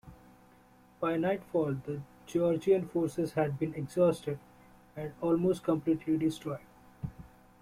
By nightfall, the Georgian forces had been exhausted and almost completely destroyed.